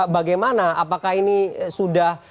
bagaimana apakah ini sudah